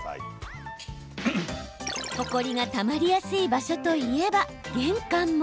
ほこりがたまりやすい場所といえば玄関も。